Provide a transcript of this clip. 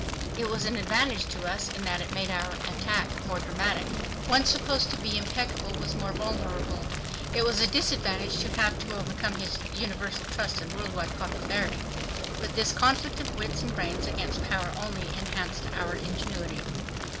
It was an advantage to us in that it made our attack more dramatic. One supposed to be impeccable was more vulnerable. It was a disadvantage to have to overcome this universal trust and world wide popularity. But this conflict of wits and brains against power only enhanced our ingenuity.